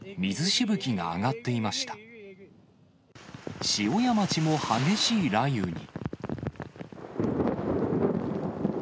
塩谷町も激しい雷雨に。